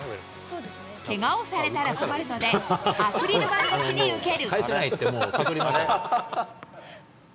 けがをされたら困るので、アクリル板越しに受ける。